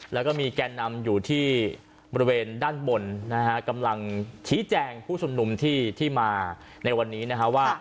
แล้วก็มีแก่นำอยู่ที่บริเวณด้านบนนะฮะกำลังชี้แจงผู้ชมนุมที่มาในวันนี้นะฮะว่า